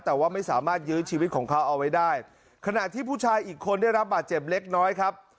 แต่ว่าไม่สามารถยื้อชีวิตของเขาเอาไว้ได้ขณะที่ผู้ชายอีกคนได้รับบาดเจ็บเล็กน้อยครับ